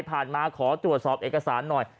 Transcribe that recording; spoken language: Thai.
มาขอตรวจสอบเอกสารหน่อย